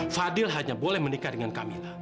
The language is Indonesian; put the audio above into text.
fadil hanya boleh menikah dengan kami